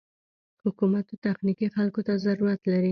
حکومت و تخنيکي خلکو ته ضرورت لري.